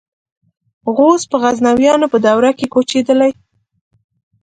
غوز په غزنویانو په دوره کې کوچېدلي.